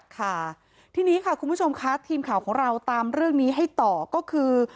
ค่ะทีนี้ค่ะคุณผู้ชมค่ะทีมข่าวของเราตามเรื่องนี้ให้ต่อก็คือ